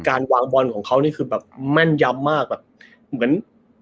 การวางบอลของเขานี่คือแบบแม่นยำมากแบบเหมือน